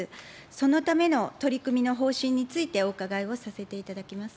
そのための取り組みの方針についてお伺いをさせていただきます。